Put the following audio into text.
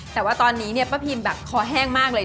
แต่ว่าตอนนี้เนี่ยป้าพิมแบบคอแห้งมากเลย